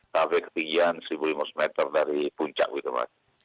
sampai ketinggian seribu lima ratus meter dari puncak gitu mas